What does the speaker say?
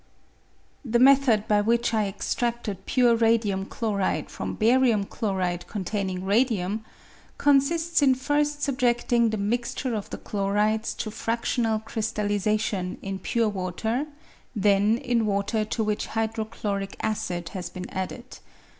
The method by which I extradted pure radium chloride from barmm chloride containing radium consists in first subjedting the mixture of the chlorides to fractional crystal lisation in pure water, then in water to which hydrochloric acid has been added.